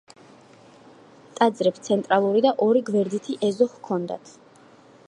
ტაძრებს ცენტრალური და ორი გვერდითი ეზო ჰქონდათ.